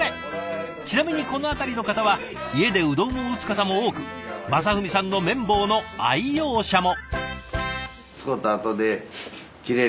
ちなみにこの辺りの方は家でうどんを打つ方も多く正文さんの麺棒の愛用者も。